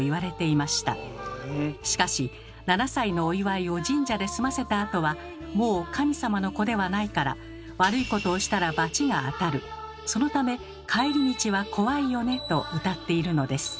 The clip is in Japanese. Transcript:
しかし７歳のお祝いを神社で済ませたあとはもう神様の子ではないからそのため「かえり道はこわいよね」と歌っているのです。